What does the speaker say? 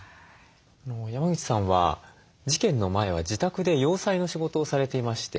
山口さんは事件の前は自宅で洋裁の仕事をされていまして。